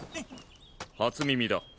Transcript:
初耳だ！